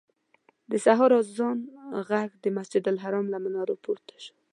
د سهار اذان غږ د مسجدالحرام له منارونو پورته شو.